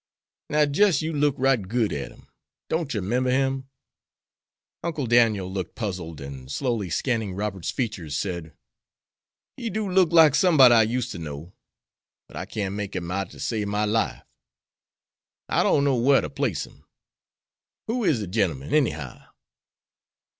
"Now jis' you look right good at him. Don't yer 'member him?" Uncle Daniel looked puzzled and, slowly scanning Robert's features, said: "He do look like somebody I used ter know, but I can't make him out ter save my life. I don't know whar to place him. Who is de gemmen, ennyhow?"